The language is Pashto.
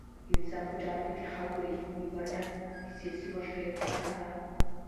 د نظام په چارو کې د خلکو رښتینې ونډه د سیاسي مشروعیت نښه ده.